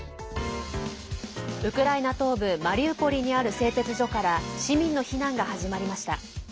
ウクライナ東部マリウポリにある製鉄所から市民の避難が始まりました。